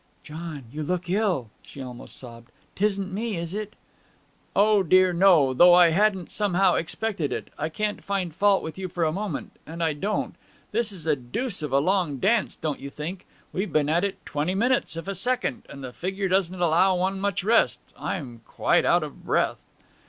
'John, you look ill!' she almost sobbed. ''Tisn't me, is it?' 'O dear, no. Though I hadn't, somehow, expected it. I can't find fault with you for a moment and I don't ... This is a deuce of a long dance, don't you think? We've been at it twenty minutes if a second, and the figure doesn't allow one much rest. I'm quite out of breath.'